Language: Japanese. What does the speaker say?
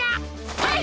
はい！